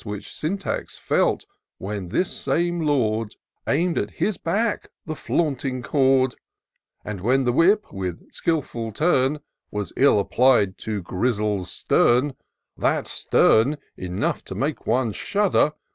Which Syntax felt, when this same Lord Aim'd at his back the flaunting cord ; And when the whip, with skilful turn, Was ill applied to Grizzle's stern ; That stem, enough to make one shudder.